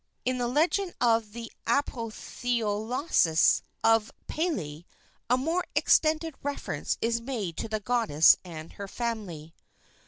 In the legend of "The Apotheosis of Pele" a more extended reference is made to the goddess and her family.